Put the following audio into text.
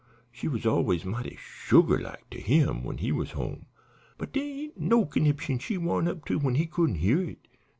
She was always mighty sugar like to him when he was home, but dere ain't no conniption she warn't up to when he couldn't hear of it.